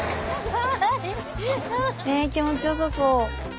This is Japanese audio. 気持ちよさそう。